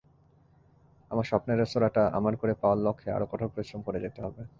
আমার স্বপ্নের রেস্তোরাঁটা আমার করে পাওয়ার লক্ষ্যে আরো কঠোর পরিশ্রম করে যেতে হবে।